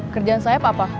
kerjaan saip apa